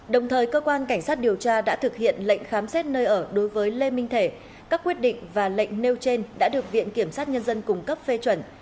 đồng thời cơ quan cảnh sát điều tra đã thực hiện lệnh khám xét nơi ở đối với lê minh thể các quyết định và lệnh nêu trên đã được viện kiểm sát nhân dân cung cấp phê chuẩn